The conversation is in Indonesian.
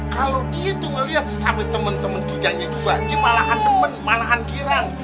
kalau dia tuh ngeliat sesama temen temen kijangnya juga dia malah temen malah dirang